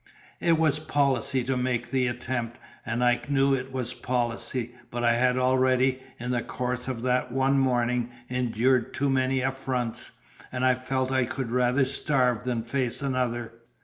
It was policy to make the attempt, and I knew it was policy; but I had already, in the course of that one morning, endured too many affronts, and I felt I could rather starve than face another.